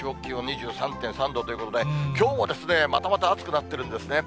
今、汐留２３．３度ということで、きょうもまたまた暑くなってるんですね。